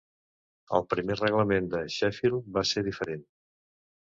El primer Reglament de Sheffield va ser diferent.